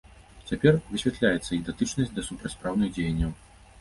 Цяпер высвятляецца іх датычнасць да супрацьпраўных дзеянняў.